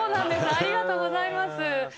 ありがとうございます。